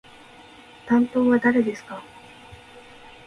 担当は誰ですか？